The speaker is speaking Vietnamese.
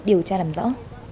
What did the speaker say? điều tra làm rõ